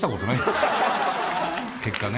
結果ね。